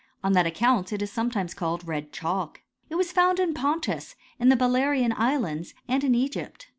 On that ac« count it is sometimes called red chalk. It was found in Pontus, in the Balearian islands, and in Egypt.